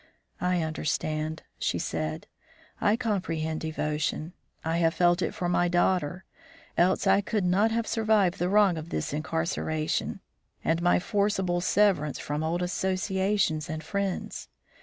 "I understand," she said; "I comprehend devotion; I have felt it for my daughter. Else I could not have survived the wrong of this incarceration, and my forcible severance from old associations and friends.